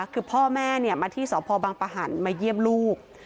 คือพ่อแม่มาที่สพบังปะหันมาเยี่ยมลูก